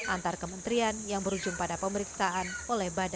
antar kementerian yang berujung pada pemerintah